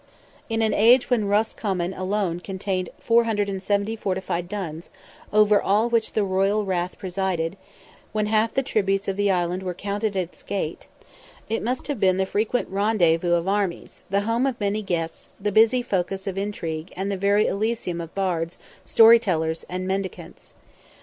In an age when Roscommon alone contained 470 fortified duns, over all which the royal rath presided; when half the tributes of the island were counted at its gate, it must have been the frequent rendezvous of armies, the home of many guests, the busy focus of intrigue, and the very elysium of bards, story tellers, and mendicants.